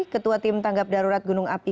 ketua tim tanggap darurat gunung api